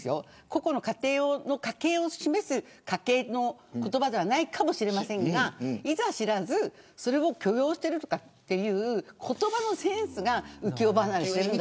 個々の家計を示す家計の言葉ではないかもしれませんがいざ知らずそれを許容しているとかっていう言葉のセンスが浮世離れしている。